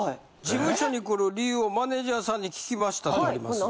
事務所に来る理由をマネージャーさんに聞きましたとあります。